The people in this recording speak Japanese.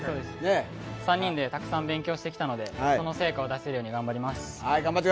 ３人でたくさん勉強してきたので、その成果を出せるように頑張ります。